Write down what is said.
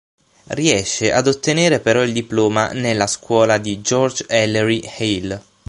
Riesce ad ottenere però il diploma nella scuola di George Ellery Hale.